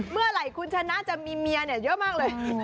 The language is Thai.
เมื่อไหร่คุณชนะจะมีเมียเยอะมากเลย